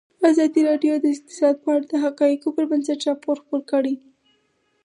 ازادي راډیو د اقتصاد په اړه د حقایقو پر بنسټ راپور خپور کړی.